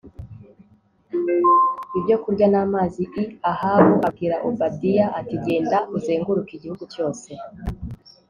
ibyokurya n amazi l Ahabu abwira Obadiya ati genda uzenguruke igihugu cyose